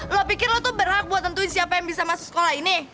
lo pikir lo tuh berhak buat nentuin siapa yang bisa masuk sekolah ini